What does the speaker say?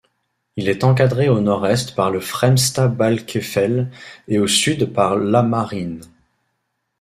Il est encadré au nord-est par le Fremsta-Bálkafell et au sud par l'Hamarinn.